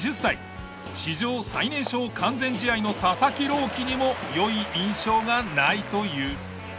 史上最年少完全試合の佐々木朗希にも良い印象がないという。